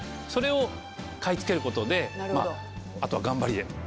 それを買い付けることでまぁあとは頑張りで。